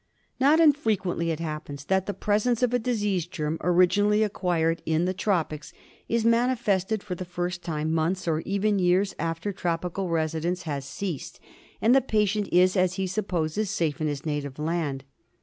Not infrequently it happens that the presence of a disease germ, originally acquired in the tropics, is mani fested for the first time, months or even years after tropi cal residence had ceased, and the patient is, as he supposes, safe in his native land.